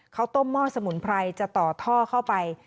ต้มหม้อสมุนไพรจะต่อท่อเข้าไป